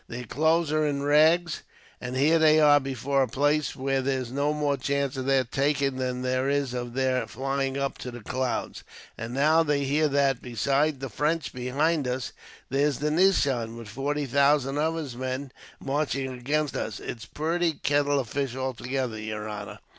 Their clothes are in rags, and here they are before a place which there's no more chance of their taking than there is of their flying up to the clouds. And now they hear that, besides the French behind us, there's the nizam with forty thousand of his men marching against us. It's a purty kettle of fish altogether, yer honor.